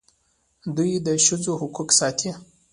دوی د ښځو حقوق ساتي.